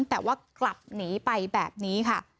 แต่ว่ากลับหนีไปแบบนี้ค่ะ